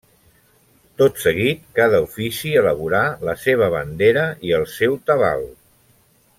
Tot seguit cada ofici elaborà la seva bandera i el seu tabal.